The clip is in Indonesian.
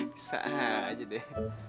bisa aja deh